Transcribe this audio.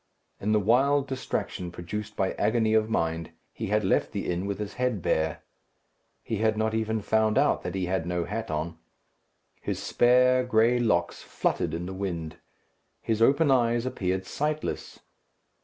In the wild distraction produced by agony of mind, he had left the inn with his head bare. He had not even found out that he had no hat on. His spare, gray locks fluttered in the wind. His open eyes appeared sightless.